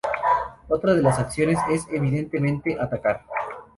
Otra de las acciones es, evidentemente, atacar.